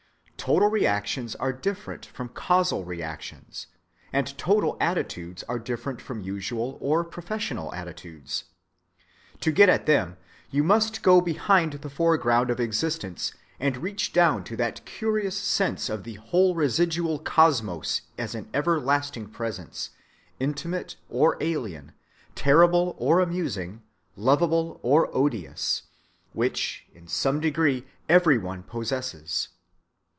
Total reactions are different from casual reactions, and total attitudes are different from usual or professional attitudes. To get at them you must go behind the foreground of existence and reach down to that curious sense of the whole residual cosmos as an everlasting presence, intimate or alien, terrible or amusing, lovable or odious, which in some degree every one possesses.